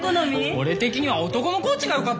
俺的には男のコーチがよかったな。